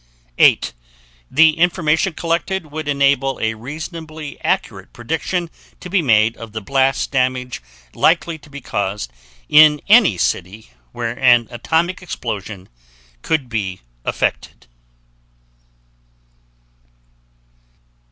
8. The information collected would enable a reasonably accurate prediction to be made of the blast damage likely to be caused in any city where an atomic explosion could be effected.